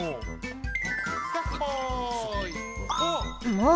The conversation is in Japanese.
もう！